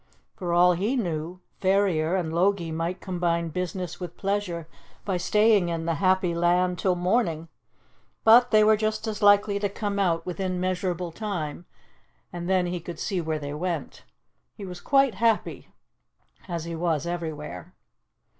For all he knew, Ferrier and Logie might combine business with pleasure by staying in 'The Happy Land' till morning; but they were just as likely to come out within measurable time, and then he could see where they went. He was quite happy, as he was everywhere.